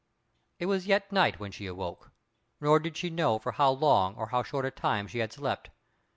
It was yet night when she awoke, nor did she know for how long or how short a time she had slept.